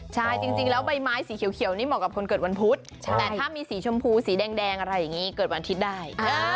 ใช่จริงแล้วใบไม้สีเขียวนี่เหมาะกับคนเกิดวันพุธแต่ถ้ามีสีชมพูสีแดงอะไรอย่างนี้เกิดวันอาทิตย์ได้